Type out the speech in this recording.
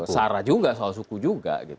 sarah juga soal suku juga